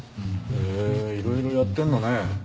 へえいろいろやってるのね。